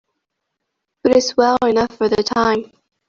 But it's well enough for the time.